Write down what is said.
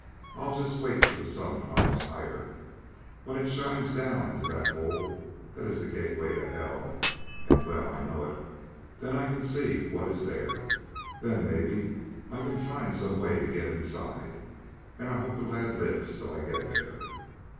I'll just wait till the Sun climbs higher. When it shines down into that hole that is the gateway to hell and well I know it then I can see what is there. Then, maybe, I can find some way to get inside; and I hope the lad lives till I get there."